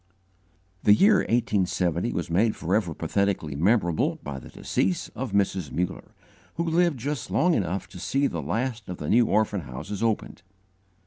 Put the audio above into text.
The year 1870 was made forever pathetically memorable by the decease of Mrs. Muller, who lived just long enough to see the last of the New Orphan Houses opened.